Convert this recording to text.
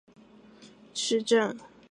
伊比库伊是巴西巴伊亚州的一个市镇。